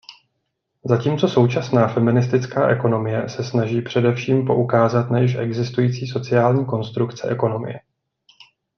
Zatímco současná feministická ekonomie se snaží především poukázat na již existující sociální konstrukce ekonomie.